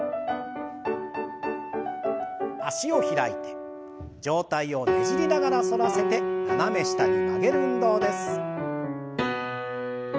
脚を開いて上体をねじりながら反らせて斜め下に曲げる運動です。